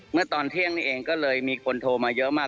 เมื่อตอนเที่ยงนี่เองก็เลยมีคนโทรมาเยอะมาก